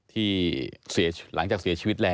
พ่อพูดว่าพ่อพูดว่าพ่อพูดว่า